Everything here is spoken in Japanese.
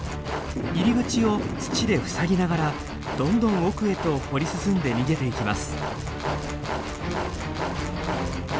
入り口を土で塞ぎながらどんどん奥へと掘り進んで逃げていきます。